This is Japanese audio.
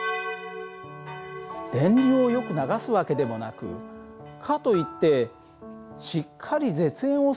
電流をよく流す訳でもなくかといってしっかり絶縁をする訳でもない。